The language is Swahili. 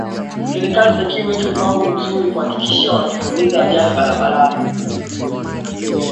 Mifugo iliyoathirika na ukurutu wa ngombe inaweza kufa kama haitatibiwa